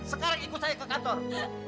sekarang ikut saya ke kantor